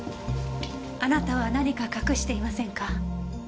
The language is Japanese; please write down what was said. あなたは何か隠していませんか？